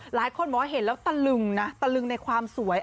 หลายคนบอกว่าเห็นแล้วตะลึงนะตะลึงในความสวย